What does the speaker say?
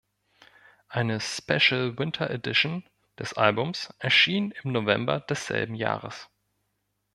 Eine "Special Winter Edition" des Albums erschien im November desselben Jahres.